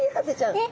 えっ？